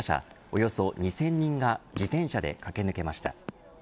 およそ２０００人が自転車で駆け抜けました。